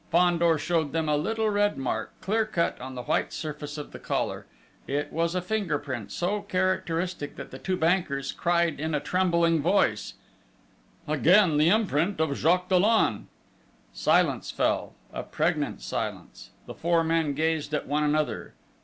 Fandor showed them a little red mark, clear cut on the white surface of the collar; it was a finger print so characteristic, that the two bankers cried in a trembling voice: "Again the imprint of Jacques Dollon!" Silence fell a pregnant silence. The four men gazed at one another.